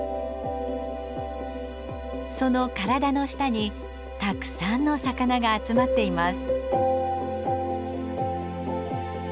その体の下にたくさんの魚が集まっています。